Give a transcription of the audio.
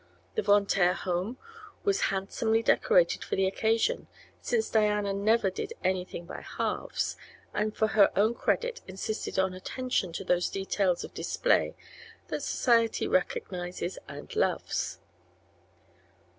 The Von Taer home was handsomely decorated for the occasion, since Diana never did anything by halves and for her own credit insisted on attention to those details of display that society recognizes and loves.